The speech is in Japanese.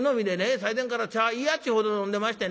最前から茶嫌っちゅうほど飲んでましてね